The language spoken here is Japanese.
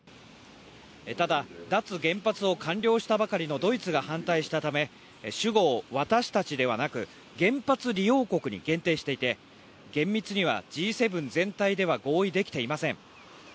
ただ、脱原発を完了したばかりのドイツが反対したため主語を私たちではなく原発利用国に限定していて厳密にはＧ７全体では合意できていません。